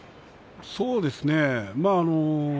そうですね。